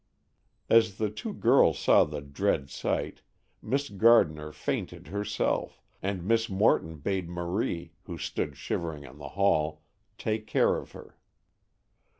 As the two girls saw the dread sight, Miss Gardner fainted herself, and Miss Morton bade Marie, who stood shivering in the hall, take care of her.